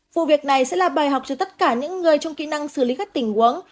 vụ việc này sẽ là bài học cho tất cả những người trong kỹ năng xử lý các tình huống